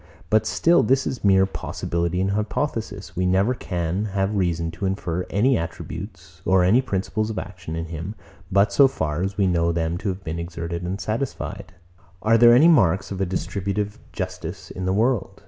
But still this is mere possibility and hypothesis. We never can have reason to infer any attributes, or any principles of action in him, but so far as we know them to have been exerted and satisfied. _Are there any marks of a distributive justice in the world?